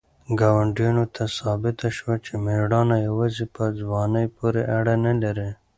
ګاونډیانو ته ثابته شوه چې مېړانه یوازې په ځوانۍ پورې اړه نه لري.